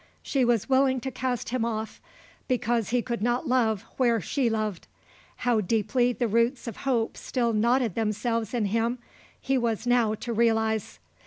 She was willing to cast him off because he could not love where she loved. How deeply the roots of hope still knotted themselves in him he was now to realize.